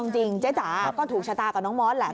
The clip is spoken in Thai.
จริงเจ๊จ๋าก็ถูกชะตากับน้องมอสแหละ